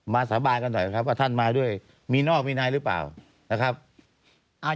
มาสาบานกันหน่อยครับมีนอกมีนายมาด้วย